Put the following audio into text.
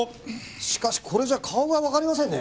しかしこれじゃ顔がわかりませんね。